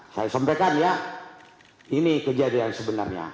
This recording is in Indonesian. saya sampaikan ya ini kejadian sebenarnya